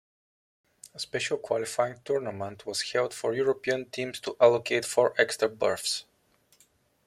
A special qualifying tournament was held for European teams to allocate four extra berths.